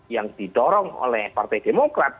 yang didorong oleh partai demokrat